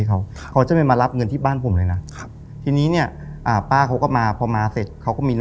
อ่าเป้าเค้าก็มาพอมาเสร็จเขาก็มี